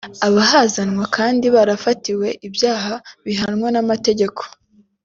abahazanwa kandi barafatiwe ibyaha bihanwa n’amategeko